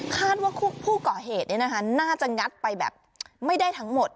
ว่าผู้ก่อเหตุน่าจะงัดไปแบบไม่ได้ทั้งหมด